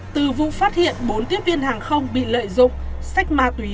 từ vụ phát hiện bốn tiếp viên hàng không bị lợi dụng sách ma túy